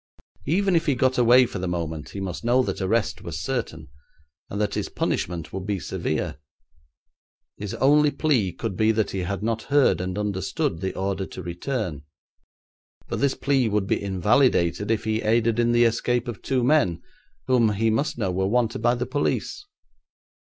Even if he got away for the moment he must know that arrest was certain, and that his punishment would be severe. His only plea could be that he had not heard and understood the order to return. But this plea would be invalidated if he aided in the escape of two men, whom he must know were wanted by the police.